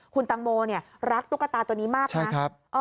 คุณตังโมรักตุ๊กตาตัวนี้มากนะ